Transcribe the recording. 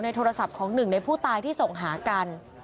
โทรศัพท์ของหนึ่งในผู้ตายที่ส่งหากัน